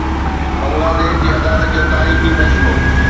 بنگلاديش جي عدالت جو تاريخي فيصلو